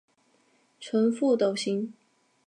呈覆斗形。